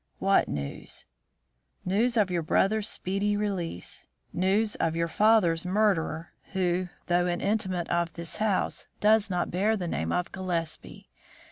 "What news?" "News of your brother's speedy release. News of your father's murderer, who, though an inmate of his house, does not bear the name of Gillespie.